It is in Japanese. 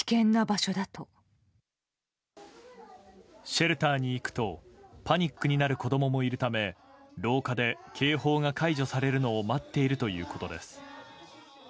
シェルターに行くとパニックになる子供もいるため廊下で警報が解除されるのを待っているということです。